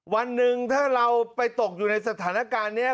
วันหนึ่งถ้าเราไปตกอยู่ในสถานการณ์นี้